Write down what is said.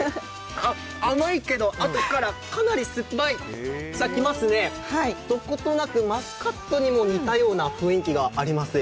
甘いけどあとからかなり酸っぱさ来ますね、どことなくマスカットにも似た雰囲気があります。